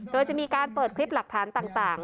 โดยจะมีการเปิดคลิปหลักฐานต่าง